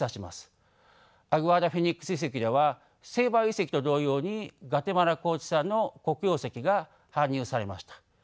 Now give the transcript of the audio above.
アグアダ・フェニックス遺跡ではセイバル遺跡と同様にグアテマラ高地産の黒曜石が搬入されました。